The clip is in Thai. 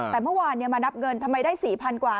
แต่เมื่อวานมานับเงินทำไมได้๔๐๐กว่า